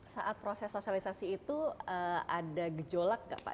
saat proses sosialisasi itu ada gejolak di antara kader pks